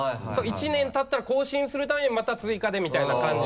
１年たったら更新するためにまた追加でみたいな感じの。